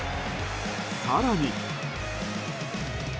更に。